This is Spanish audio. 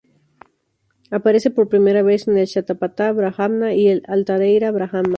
Aparece por primera vez en el "Shatápatha-brahmana" y en el "Aitareia-brahmana".